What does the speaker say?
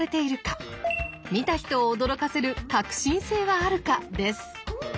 見た人を驚かせる革新性はあるかです。